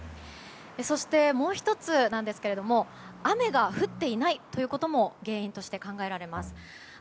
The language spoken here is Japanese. そして、もう１つなんですが雨が降っていないということも原因として考えられます。